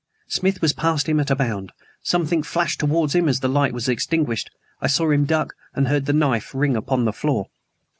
Smith was past him at a bound. Something flashed towards him as the light was extinguished. I saw him duck, and heard the knife ring upon the floor.